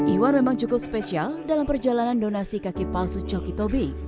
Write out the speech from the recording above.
iwan memang cukup spesial dalam perjalanan donasi kaki palsu coki tobi